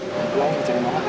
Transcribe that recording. lagi lagi jangan marah